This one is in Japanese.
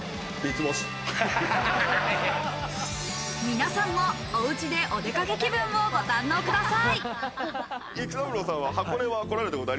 皆さんもおうちでお出かけ気分をご堪能ください。